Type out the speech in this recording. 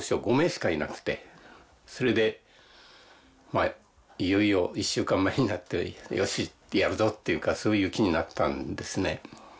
それでいよいよ１週間前になってよしやるぞというかそういう気になったんですね。